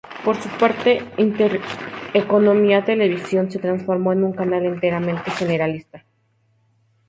Por su parte, Intereconomía Televisión se transformó en un canal enteramente generalista.